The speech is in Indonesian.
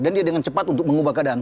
dia dengan cepat untuk mengubah keadaan